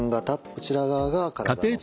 こちら側が体の外